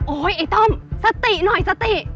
ไอ้ต้อมสติหน่อยสติ